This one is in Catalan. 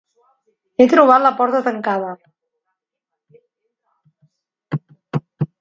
He trobat la porta tancada.